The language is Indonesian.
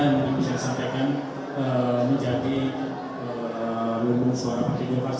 dan bisa disampaikan menjadi lumbung suara partai golkar